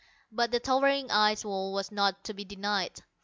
But the towering ice wall was not to be denied.